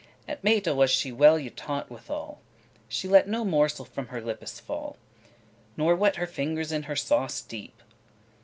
At meate was she well y taught withal; She let no morsel from her lippes fall, Nor wet her fingers in her sauce deep.